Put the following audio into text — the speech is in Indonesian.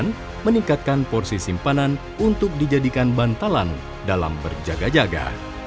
yang meningkatkan porsi simpanan untuk dijadikan bantalan dalam berjaga jaga